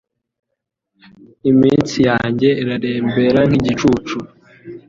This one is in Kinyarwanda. Iminsi yanjye irarembera nk’igicucu